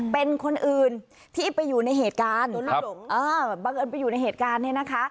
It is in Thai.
เป็นคนอื่นที่ไปอยู่ในเหตุการณ์โดนลูกหลงเออบังเอิญไปอยู่ในเหตุการณ์เนี่ยนะคะ